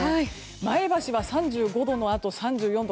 前橋は３５度のあと３４度。